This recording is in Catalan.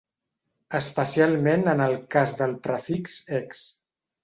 Especialment en el cas del prefix ex- .